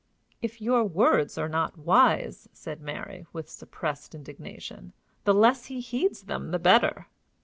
"If your words are not wise," said Mary, with suppressed indignation, "the less he heeds them the better."